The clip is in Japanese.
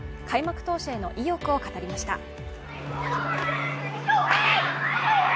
開幕投手への意欲を語りました。